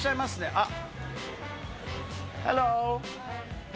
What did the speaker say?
あっ。